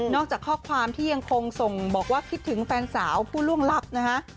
อกจากข้อความที่ยังคงส่งบอกว่าคิดถึงแฟนสาวผู้ล่วงลับนะฮะ